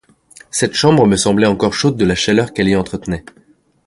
Cette chambre me semblait encore chaude de la chaleur qu’elle y entretenait.